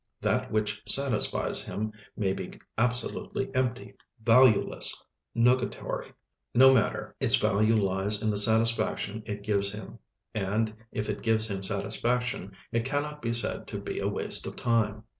That which satisfies him may be absolutely empty, valueless, nugatory; no matter, its value lies in the satisfaction it gives him; and if it gives him satisfaction, it cannot be said to be a waste of time.